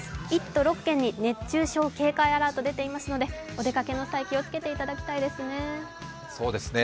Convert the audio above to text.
１都６県に熱中症警戒アラートが出ていますので、お出かけの際、気をつけていただきたいですね。